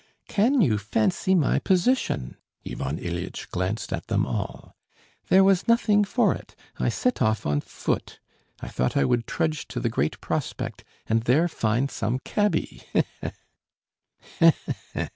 "Can you fancy my position...." (Ivan Ilyitch glanced at them all.) "There was nothing for it, I set off on foot, I thought I would trudge to the Great Prospect, and there find some cabby ... he he!" "He he he!"